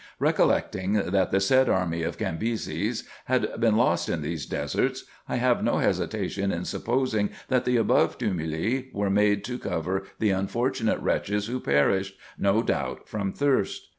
Recollecting that the said army of Cambyses had been lost in these deserts, I have no hesitation in supposing, that the above tumuli were made to cover the unfortunate wretches who perished, no doubt, from thirst.